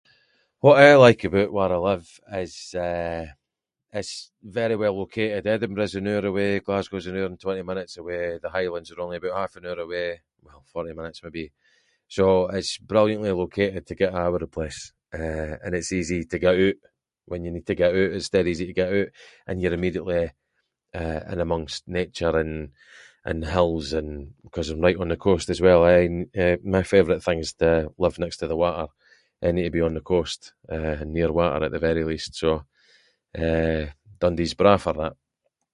What I like about where I live is, eh, it’s very well located, Edinburgh is an hour away, Glasgow’s an hour and twenty minutes away, the highlands are only about half an hour away, well forty minutes maybe, so it’s brilliantly located to get a’ over the place, eh and it’s easy to get oot, when you need to get oot, it’s dead easy to get oot, and you’re immediately, eh, in amongst nature and- and hills, and ‘cause I’m right on the coast as well, eh, my favourite thing’s to live next to the water. I need to be on the coast, eh, and near water at the very least, so, eh, Dundee’s braw for that.